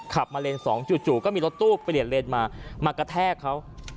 ขับมาเลน๒จู่ก็มีรถตู้เปลี่ยนเลนมามากระแทกเขา